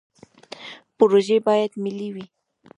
پروژې باید ملي وي